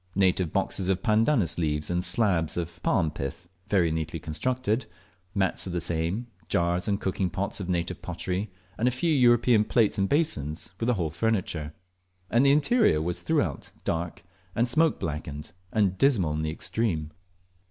Native boxes of pandanus leaves and slabs of palm pith, very neatly constructed, mats of the same, jars and cooking pots of native pottery, and a few European plates and basins, were the whole furniture, and the interior was throughout dark and smoke blackened, and dismal in the extreme.